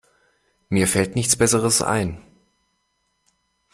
Mir fällt nichts besseres ein.